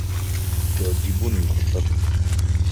تعجبني خطتك.